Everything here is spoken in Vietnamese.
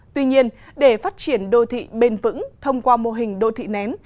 tuy nhiên để phát triển đô thị bền vững thông qua mô hình đô thị nén